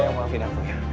sayang maafin aku ya